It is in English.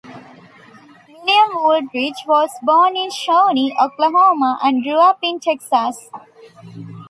William Wooldridge was born in Shawnee, Oklahoma, and grew up in Texas.